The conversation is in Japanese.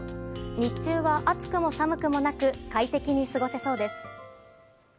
日中は暑くも寒くもなく快適に過ごせそうです。